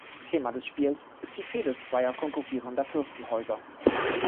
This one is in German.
Thema des Spiels ist die Fehde zweier konkurrierender Fürstenhäuser.